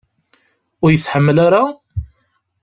Ur iyi-tḥemmel ara?